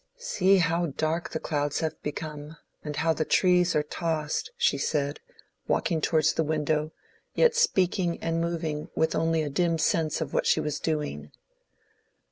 "See how dark the clouds have become, and how the trees are tossed," she said, walking towards the window, yet speaking and moving with only a dim sense of what she was doing.